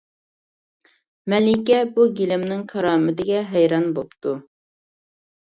مەلىكە بۇ گىلەمنىڭ كارامىتىگە ھەيران بوپتۇ.